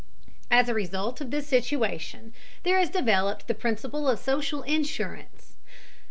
As a result of this situation, there has developed the principle of social insurance.